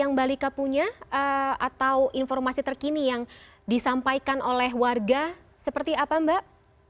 yang mbak lika punya atau informasi terkini yang disampaikan oleh warga seperti apa mbak